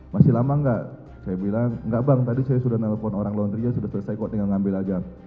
masih lama nggak saya bilang enggak bang tadi saya sudah nelfon orang laundry sudah selesai kok tinggal ngambil aja